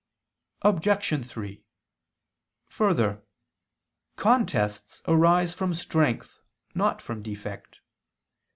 Obj. 3: Further, contests arise from strength not from defect.